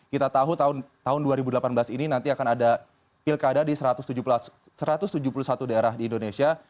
kita tahu tahun dua ribu delapan belas ini nanti akan ada pilkada di satu ratus tujuh puluh satu daerah di indonesia